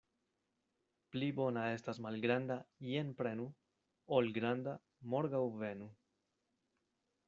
Pli bona estas malgranda "jen prenu" ol granda "morgaŭ venu".